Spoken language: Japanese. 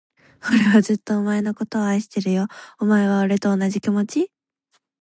俺はずっと、お前のことを愛してるよ。お前は、俺と同じ気持ち？